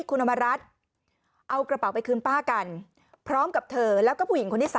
คุณอมรัฐเอากระเป๋าไปคืนป้ากันพร้อมกับเธอแล้วก็ผู้หญิงคนที่๓